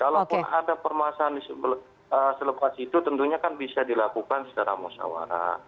kalaupun ada permasalahan selepas itu tentunya kan bisa dilakukan secara musawarah